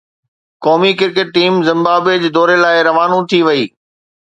قومي cricket team Zimbabwe جي دوري لاءِ روانو ٿي وئي